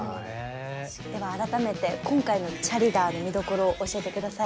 では改めて今回の「チャリダー★」の見どころを教えてください。